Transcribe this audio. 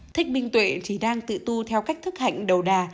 thích minh tuệ thì đang tự tu theo cách thức hạnh đầu đà